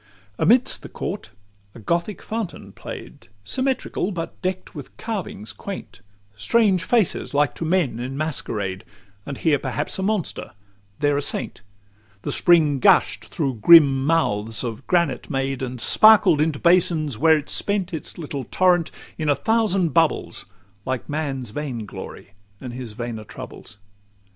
LXV Amidst the court a Gothic fountain play'd, Symmetrical, but deck'd with carvings quaint Strange faces, like to men in masquerade, And here perhaps a monster, there a saint: The spring gush'd through grim mouths of granite made, And sparkled into basins, where it spent Its little torrent in a thousand bubbles, Like man's vain glory, and his vainer troubles.